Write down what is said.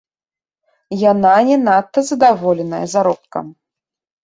Яна не надта задаволеная заробкам.